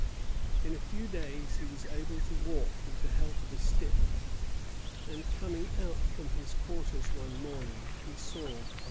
In a few days he was able to walk with the help of a stick; and, coming out from his quarters one morning, he saw a memorable scene.